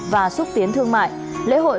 và xúc tiến thương mại lễ hội